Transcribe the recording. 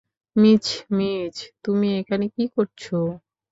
Miss-miss, তুমি এখানে কী করছ?